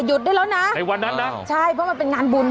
ได้แล้วนะในวันนั้นนะใช่เพราะมันเป็นงานบุญ